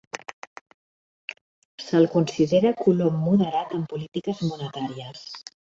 Se'l considera colom moderat en polítiques monetàries.